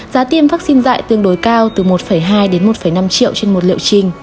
giá tiêm vaccine dạy tương đối cao từ một hai đến một năm triệu trên một liệu trình